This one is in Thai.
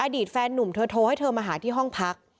อดีตแฟนนุ่มเธอโทรให้เธอมาหาที่ห้องพัก